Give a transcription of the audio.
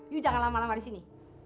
yuk jangan lama lama di sini